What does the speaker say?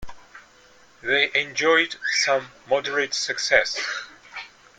They enjoyed some moderate success.